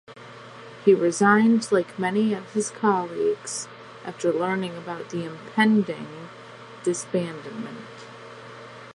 He resigned like many of his colleagues after learning about the impending disbandment.